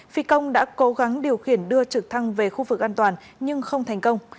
phi công đã cố gắng điều khiển đưa trực thăng về khu vực an toàn nhưng không thành công